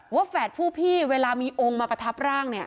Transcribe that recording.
แฝดผู้พี่เวลามีองค์มาประทับร่างเนี่ย